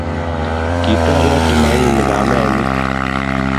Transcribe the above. Kitebe Tumaini kamenyi